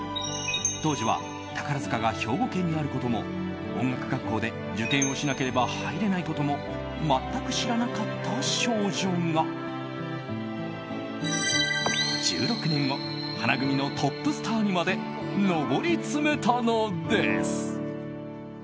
当時は宝塚が兵庫県にあることも音楽学校で受験をしなければ入れないことも全く知らなかった少女が１６年後花組のトップスターにまで上り詰めたのです。